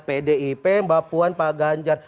pdip mbak puan pak ganjar